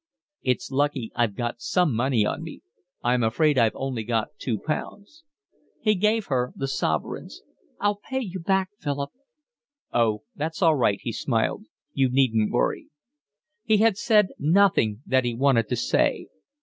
"It's lucky I've got some money on me. I'm afraid I've only got two pounds." He gave her the sovereigns. "I'll pay you back, Philip." "Oh, that's all right," he smiled. "You needn't worry." He had said nothing that he wanted to say.